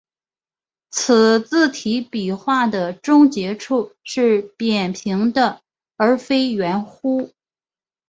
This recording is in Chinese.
此字体笔画的终结处是扁平的而非圆弧。